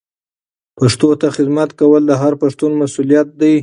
پښتو ته خدمت کول د هر پښتون مسولیت دی.